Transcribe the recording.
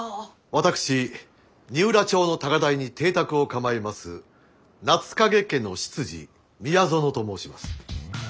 私二浦町の高台に邸宅を構えます夏影家の執事宮園と申します。